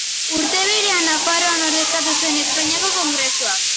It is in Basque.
Urte berean, Nafarroa ordezkatu zuen Espainiako Kongresuan.